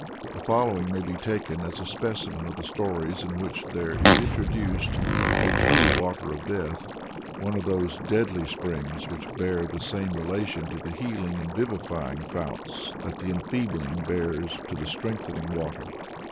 The following may be taken as a specimen of the stories in which there is introduced a true Water of Death one of those deadly springs which bear the same relation to the healing and vivifying founts that the enfeebling bears to the strengthening water.